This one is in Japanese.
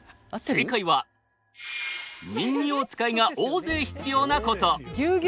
正解は人形遣いが大勢必要なこと。